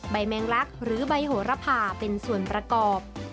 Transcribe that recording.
ใบแมงรักหรือใบห่วระผ่าเป็นส่วนประกอบ